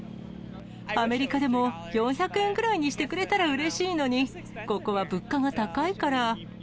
アメリカでも４００円くらいにしてくれたらうれしいのに、ここは物価が高いから。